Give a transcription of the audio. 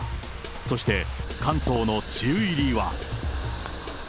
そして関東の梅雨入りは。